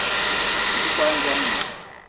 Me te kwal ndjamni